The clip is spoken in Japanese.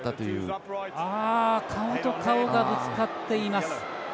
顔と顔がぶつかっています。